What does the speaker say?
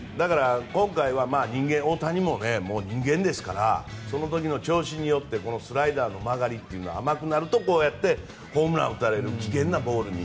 今回は大谷も人間ですからその時の調子によってスライダーの曲がりが甘くなるとこうやってホームランを打たれる危険なボールに。